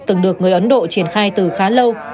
từng được người ấn độ triển khai từ khá lâu